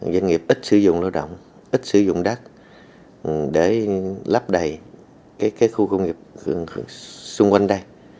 doanh nghiệp ít sử dụng lao động ít sử dụng đất để lấp đầy cái khu công nghiệp xung quanh đây